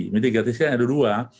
mitigasi yang ada dua